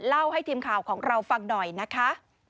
เล่าให้ทีมข่าวของเราฟังหน่อยนะคะ